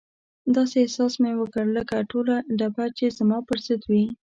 داسې احساس مې وکړ لکه ټوله ډبه چې زما پر ضد وي.